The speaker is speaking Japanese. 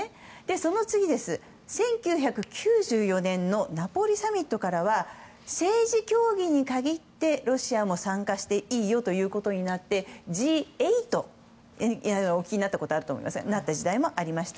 その次、１９９４年のナポリサミットからは政治協議に限ってロシアも参加していいよということになってＧ８になった時代もありました。